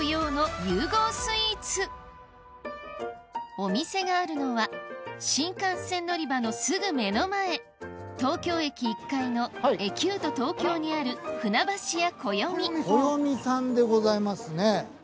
お店があるのは新幹線乗り場のすぐ目の前東京駅１階のエキュート東京にあるこよみさんでございますね。